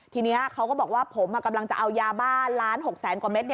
ทีนี้เขาก็บอกว่าผมกำลังจะเอายาบ้านล้าน๖แสนกว่าเม็ด